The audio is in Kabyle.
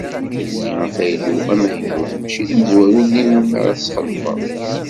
Ldi afaylu amaynut mačči d amezwaru-nni iwumi ara tesxelfeḍ.